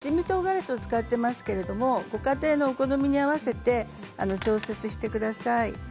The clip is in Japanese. そして、ピリ辛の今日は一味とうがらしを使っていますけれどご家庭のお好みに合わせて調節してください。